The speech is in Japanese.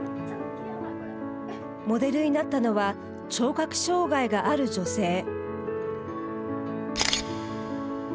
モデルになったのは聴覚障害がある女性。